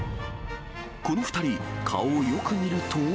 この２人、顔をよく見ると。